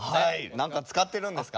何か使ってるんですか？